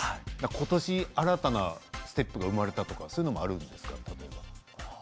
今年新たなステップが生まれたとかそういうこともあるんですか。